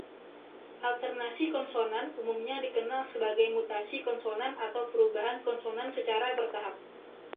Alternasi konsonan umumnya dikenal sebagai mutasi konsonan atau perubahan konsonan secara bertahap.